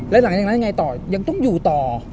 แล้วหลังจากนั้นยังไงต่อยังต้องอยู่ต่อ